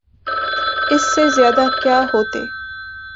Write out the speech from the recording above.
اس سے زیادہ کیا ہوتے؟